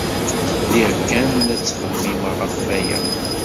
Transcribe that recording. Lliɣ kan la ttxemmimeɣ ɣef waya.